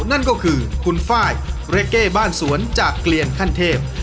นั่นก็คือคุณไฟล์เรเก้บ้านสวนจากเกลียนขั้นเทพ